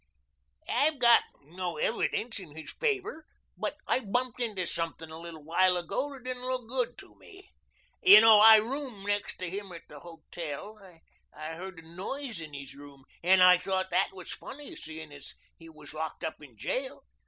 "I've got no evidence in his favor, but I bumped into something a little while ago that didn't look good to me. You know I room next him at the hotel. I heard a noise in his room, and I thought that was funny, seeing as he was locked up in jail.